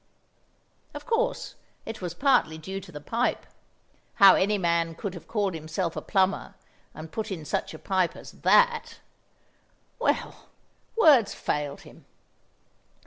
Of course, it was partly due to the pipe; how any man could have called himself a plumber, and put in such a pipe as that!—well, words failed him!